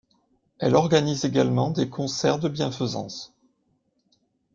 Elle organise également des concerts de bienfaisance.